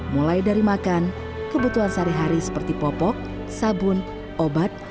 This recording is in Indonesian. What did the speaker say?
mulai dari makan kebutuhan sehari hari seperti popok sabun obat